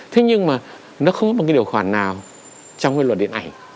thế nhưng mà nó không có một điều khoản nào trong luật điện ảnh